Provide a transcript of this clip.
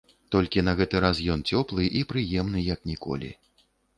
Толькі на гэты раз ён цёплы і прыемны як ніколі.